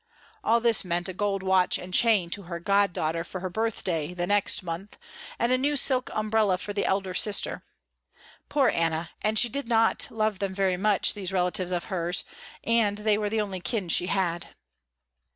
All this meant a gold watch and chain to her god daughter for her birthday, the next month, and a new silk umbrella for the elder sister. Poor Anna, and she did not love them very much, these relatives of hers, and they were the only kin she had.